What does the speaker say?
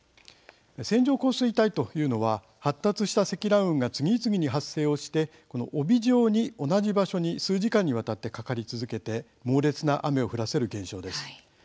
線状降水帯というのは発達した積乱雲が次々に発生をして、帯状に同じ場所に数時間にわたってかかり続けて猛烈な雨を降らせる現象です。